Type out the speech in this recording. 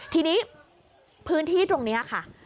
ทีนี้พื้นที่ตรงนี้ค่ะ